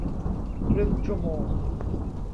ครึ่งชั่วโมง